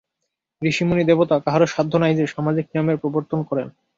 ঋষি, মুনি, দেবতা কাহারও সাধ্য নাই যে, সামাজিক নিয়মের প্রবর্তন করেন।